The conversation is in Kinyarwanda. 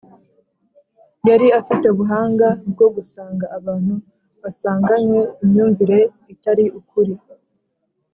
yari afite ubuhanga bwo gusanga abantu basanganywe imyumvire itari ukuri,